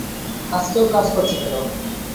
আজকেও কাজ করছ কেন?